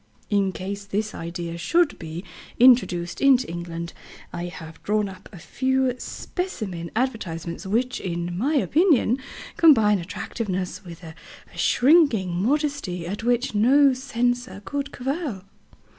In case this idea should be introduced into England, I have drawn up a few specimen advertisements which, in my opinion, combine attractiveness with a shrinking modesty at which no censor could cavil."